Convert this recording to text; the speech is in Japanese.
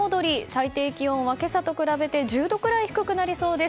最低気温は今朝と比べて１０度くらい低くなりそうです。